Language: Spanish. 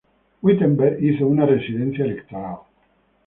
Wittenberg hizo una residencia electoral.